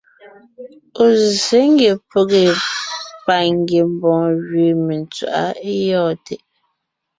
Ɔ̀ zsé ngie pege pangiembɔɔn gẅiin mentswaʼá é gyɔ̂ɔn tɛʼ.